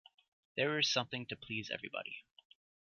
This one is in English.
There is something to please everybody.